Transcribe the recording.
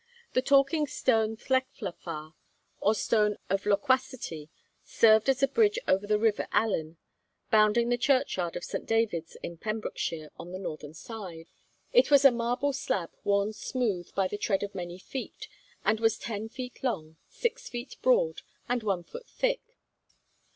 The Talking Stone Llechlafar, or stone of loquacity, served as a bridge over the river Alyn, bounding the churchyard of St. David's in Pembrokeshire, on the northern side. It was a marble slab worn smooth by the tread of many feet, and was ten feet long, six feet broad, and one foot thick.